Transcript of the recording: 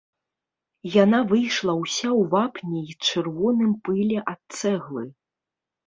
Яна выйшла ўся ў вапне і чырвоным пыле ад цэглы.